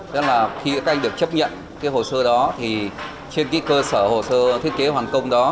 tức là khi các anh được chấp nhận cái hồ sơ đó thì trên cái cơ sở hồ sơ thiết kế hoàn công đó